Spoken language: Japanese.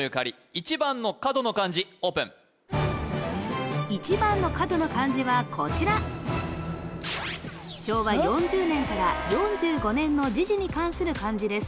１番の角の漢字オープン１番の角の漢字はこちら昭和４０年から４５年の時事に関する漢字です